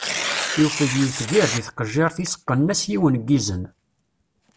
Yufeg yitbir, deg tqejjirt-is qqnen-as yiwen n izen.